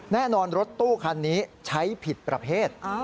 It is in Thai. แน่นอนรถตู้คันนี้ใช้ผิดประเภท